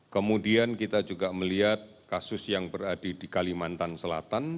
kemudian kita juga melihat kasus yang berada di kalimantan selatan